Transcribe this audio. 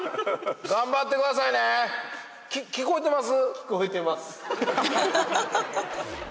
聞こえてます。